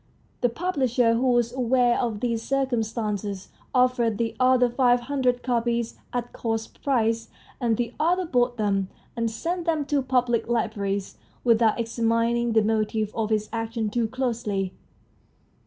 The publisher, who was aware of this circumstance, offered the author five hundred copies at cost price, and the author bought them, and sent them to public libraries, without examining the motive for his action too closely.